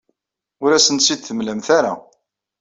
Ur asent-tt-id-temlamt ara.